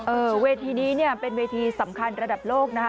เวทีนี้เนี่ยเป็นเวทีสำคัญระดับโลกนะคะ